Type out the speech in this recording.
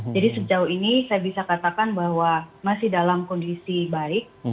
jadi sejauh ini saya bisa katakan bahwa masih dalam kondisi baik